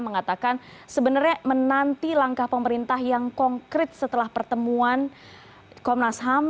mengatakan sebenarnya menanti langkah pemerintah yang konkret setelah pertemuan komnas ham